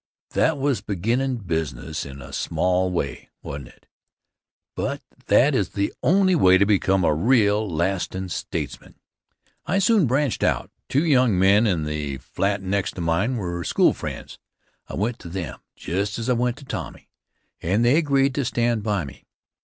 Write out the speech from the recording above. That was beginnin' business in a small way, wasn't it? But that is the only way to become a real lastin' statesman. I soon branched out. Two young men in the flat next to mine were school friends I went to them, just as I went to Tommy, and they agreed to stand by me.